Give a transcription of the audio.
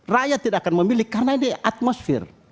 rakyat tidak akan memilih karena ini atmosfer